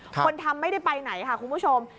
คนทำไม่ได้ไปไหนค่ะคุณผู้ชม